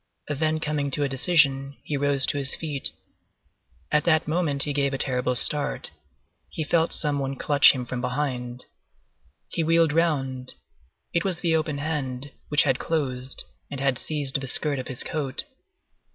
Then coming to a decision, he rose to his feet. At that moment, he gave a terrible start. He felt some one clutch him from behind. He wheeled round; it was the open hand, which had closed, and had seized the skirt of his coat.